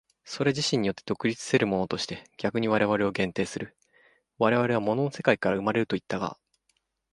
それ自身によって独立せるものとして逆に我々を限定する、我々は物の世界から生まれるといったが、